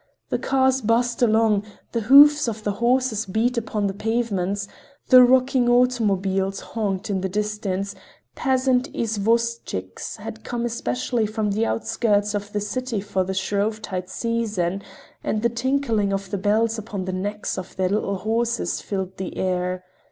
The cars buzzed along, the hoofs of the horses beat upon the pavements, the rocking automobiles honked in the distance, peasant izvozchiks had come especially from the outskirts of the city for the Shrovetide season and the tinkling of the bells upon the necks of their little horses filled the air.